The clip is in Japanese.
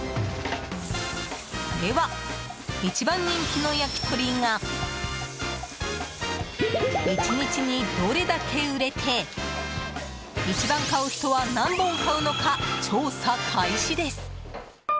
では、一番人気の焼き鳥が１日にどれだけ売れて一番買う人は何本買うのか調査開始です。